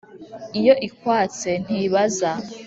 Iyo ikwatse ntibaza..!